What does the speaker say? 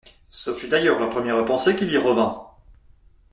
Ce fut, d’ailleurs, la première pensée qui lui revint.